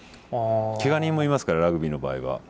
けが人もいますからラグビーの場合は。